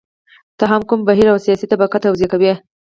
نه هم کوم بهیر او سیاسي طبقه توضیح کوي.